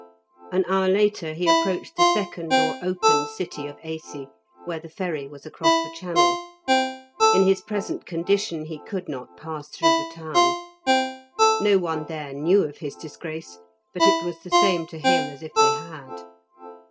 An hour later he approached the second or open city of Aisi, where the ferry was across the channel. In his present condition he could not pass through the town. No one there knew of his disgrace, but it was the same to him as if they had.